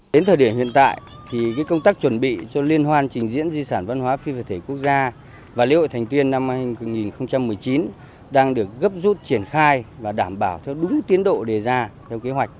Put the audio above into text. đến thời điểm hiện tại thì công tác chuẩn bị cho liên hoan trình diễn di sản văn hóa phi vật thể quốc gia và lễ hội thành tuyên năm hai nghìn một mươi chín đang được gấp rút triển khai và đảm bảo theo đúng tiến độ đề ra theo kế hoạch